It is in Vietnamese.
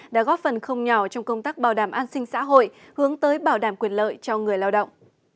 đã góp phần không nhỏ trong công tác bảo đảm an sinh xã hội hướng tới bảo đảm quyền lợi cho người lao động